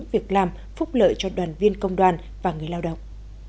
việc làm phúc lợi cho đoàn viên công đoàn và người lao động